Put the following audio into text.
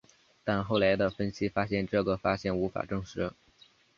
但后来的分析发现这个发现无法证实。